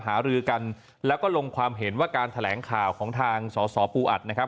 หารือกันแล้วก็ลงความเห็นว่าการแถลงข่าวของทางสสปูอัดนะครับ